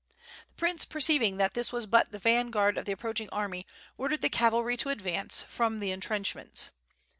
The prince perceiving that this was but the vanguard of the approaching army ordered the cavalry to advance from the entrenchments.